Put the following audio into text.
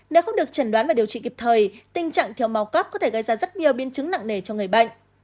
nếu không được chẩn đoán và điều trị kịp thời tình trạng thiếu máu cấp có thể gây ra rất nhiều biến chứng nặng nề cho người bệnh